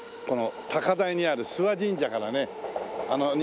この高台にある諏方神社からねあの。